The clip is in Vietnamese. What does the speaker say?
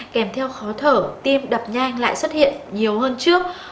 kèm theo khó thở tim đập nhanh lại xuất hiện nhiều hơn trước